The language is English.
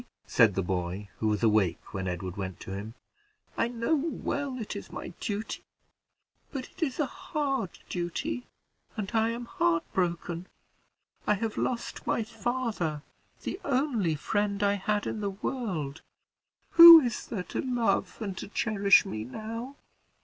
said the boy, who was awake when Edward went to him; "I know well it is my duty, but it is a hard duty, and I am heartbroken. I have lost my father, the only friend I had in the world; who is there to love and to cherish me now?